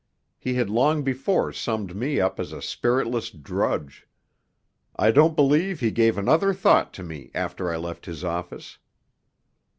He had long before summed me up as a spiritless drudge. I don't believe he gave another thought to me after I left his office.